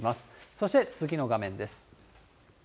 そして次の画面です。